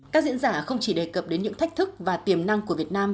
các diễn giả không chỉ đề cập đến những thách thức và tiềm năng của việt nam